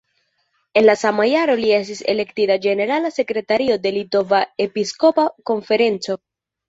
En la sama jaro li estis elektita ĝenerala sekretario de Litova Episkopa Konferenco.